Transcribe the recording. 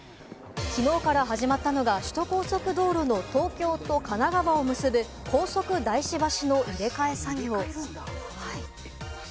きのうから始まったのが、首都高速道路の東京と神奈川を結ぶ高速大師橋の入れ替え作業。